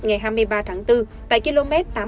ngày hai mươi ba tháng bốn tại km tám mươi tám